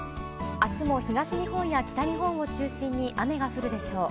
あすも東日本や北日本を中心に雨が降るでしょう。